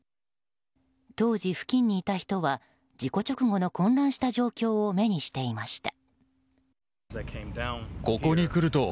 当時付近にいた人は事故直後の混乱した状況を目にしていました。